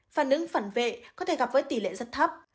phản ứng phản vệ có thể gặp với tỷ lệ rất thấp